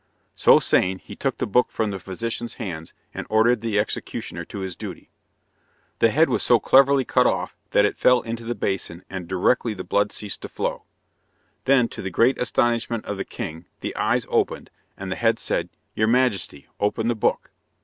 So saying, he took the book from the physician's hands, and ordered the executioner to do his duty. The head was so cleverly cut off that it fell into the basin, and directly the blood ceased to flow. Then, to the great astonishment of the king, the eyes opened, and the head said, "Your majesty, open the book."